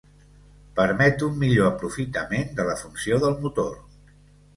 Permet un millor aprofitament de la funció del motor.